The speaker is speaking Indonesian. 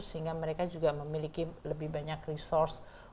sehingga mereka juga memiliki lebih banyak sumber daya